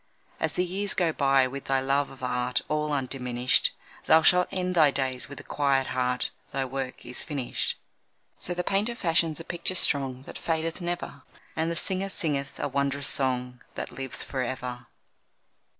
As the years go by with thy love of Art All undiminished, Thou shalt end thy days with a quiet heart Thy work is finished. So the painter fashions a picture strong That fadeth never, And the singer singeth a wond'rous song That lives for ever.